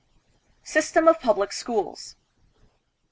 System, of Publio Schools.